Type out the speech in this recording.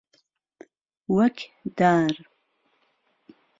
وهک دار ---